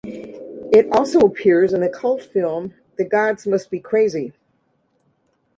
It also appears in the cult film "The Gods Must Be Crazy".